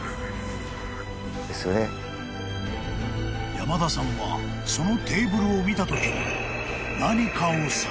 ［山田さんはそのテーブルを見たときに］